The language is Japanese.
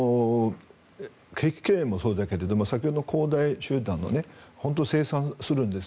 碧桂園もそうだけども先ほどの恒大集団も本当、清算するんです